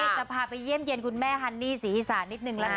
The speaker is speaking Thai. จะพาไปเยี่ยมเย็นคุณแม่ฮันนี่ศรีอีสานนิดนึงละกัน